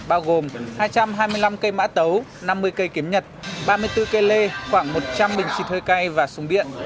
bao gồm hai trăm hai mươi năm cây mã tấu năm mươi cây kiếm nhật ba mươi bốn cây lê khoảng một trăm linh bình xịt hơi cay và súng điện